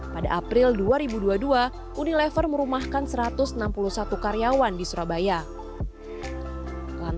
pada april dua ribu dua puluh dua unilever merumahkan satu ratus enam puluh satu karyawan di surabaya